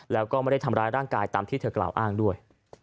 แล้วก็ไม่ได้ทำร้ายร่างกายตามที่เธอกล่าวอ้างด้วย